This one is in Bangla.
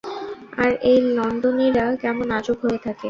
আর এই লন্ডনিরা কেমন আজব হয়ে থাকে।